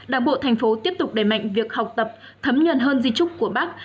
đảng bộ tp hcm tiếp tục đẩy mạnh việc học tập thấm nhuận hơn di trúc của bắc